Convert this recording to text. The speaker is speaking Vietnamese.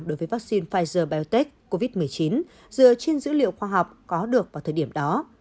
đối với vaccine pfizer biontech covid một mươi chín dựa trên dữ liệu khoa học có được vào thời điểm đó